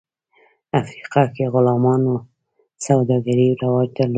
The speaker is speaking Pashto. افریقا کې غلامانو سوداګري رواج درلود.